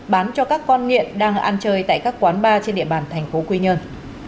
bán cho các con nghiện đang ăn chơi tại các quán bar trên địa bàn thành phố quy nhơn